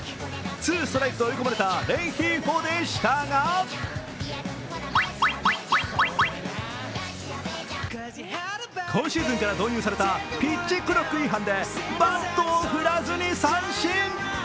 ツーストライクと追い込まれたレンヒーフォでしたが今シーズンから導入されたピッチクロック違反でバットを振らずに三振。